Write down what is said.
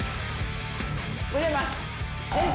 売れます！